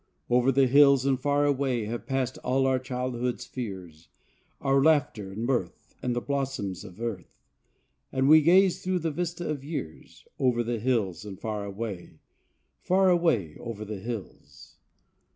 "Over the hills and far away" Have passed all our childhood's fears, Our laughter and mirth, And the blossoms of earth, And we gaze through the vista of years "Over the hills and far away," Far away over the hills.